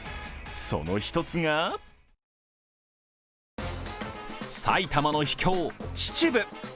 その一つが埼玉の秘境・秩父。